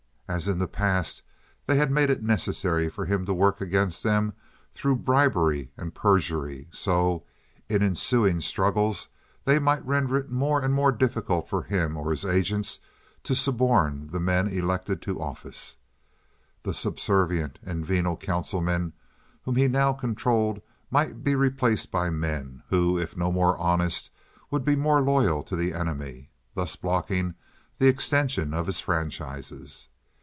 As in the past they had made it necessary for him to work against them through bribery and perjury, so in ensuing struggles they might render it more and more difficult for him or his agents to suborn the men elected to office. The subservient and venal councilmen whom he now controlled might be replaced by men who, if no more honest, would be more loyal to the enemy, thus blocking the extension of his franchises.